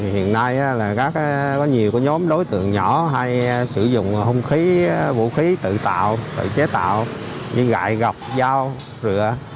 hiện nay có nhiều nhóm đối tượng nhỏ hay sử dụng vũ khí tự tạo tự chế tạo gại gọc dao rửa